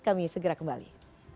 kami segera kembali